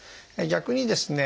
逆にですね